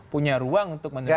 punya ruang untuk menurut saya